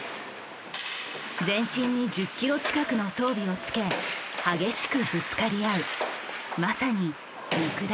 全身に１０キロ近くの装備をつけ激しくぶつかり合うまさに肉弾戦。